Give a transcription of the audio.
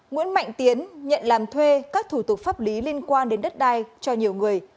nguyễn mạnh tiến nhận làm thuê các thủ tục pháp lý liên quan đến đất đai cho nhiều người